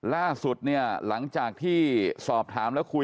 เราก็ไม่รู้ว่าใครเป็นใครนะฮะ